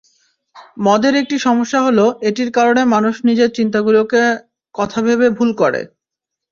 মদের একটি সমস্যা হলো, এটির কারণে মানুষ নিজের চিন্তাগুলোকে কথা ভেবে ভুল করে।